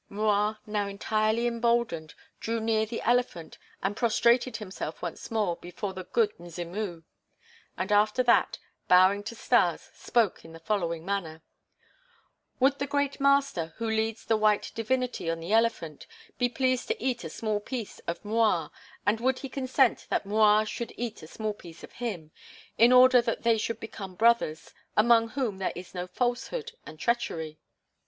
M'Rua, now entirely emboldened, drew near the elephant and prostrated himself once more before the "Good Mzimu" and after that, bowing to Stas, spoke in the following manner: "Would the great master, who leads the white divinity on the elephant, be pleased to eat a small piece of M'Rua, and would he consent that M'Rua should eat a small piece of him, in order that they should become brothers, among whom there is no falsehood and treachery?"